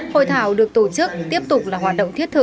hội thảo được tổ chức tiếp tục là hoạt động thiết thực